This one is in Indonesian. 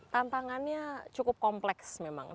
tantangannya cukup kompleks memang